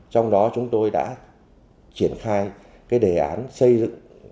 trong đó chúng tôi đã triển khai cái đề án xây dựng